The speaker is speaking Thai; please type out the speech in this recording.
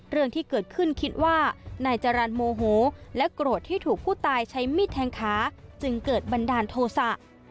เรื่องที่เกิดขึ้นคิดว่านายจรรย์โมโหและโกรธที่ถูกผู้ตายใช้มีดแทงขาจึงเกิดบันดาลโทษะ